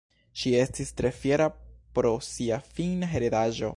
Ŝi estis tre fiera pro sia finna heredaĵo.